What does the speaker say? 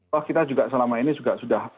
pak kita juga selama ini sudah